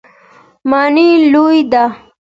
ماڼۍ لویه ده.